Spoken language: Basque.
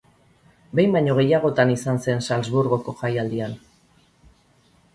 Behin baino gehiagotan izan zen Salzburgoko Jaialdian.